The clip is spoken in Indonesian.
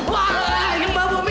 wah orang orang yang gempa bumi